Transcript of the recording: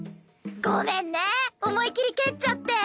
ごめんね思い切り蹴っちゃって。